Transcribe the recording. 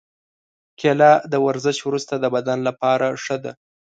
کېله د ورزش وروسته د بدن لپاره ښه ده.